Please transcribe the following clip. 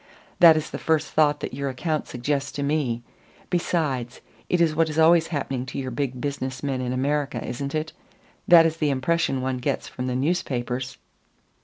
That is the first thought that your account suggests to me. Besides, it is what is always happening to your big business men in America, isn't it? That is the impression one gets from the newspapers."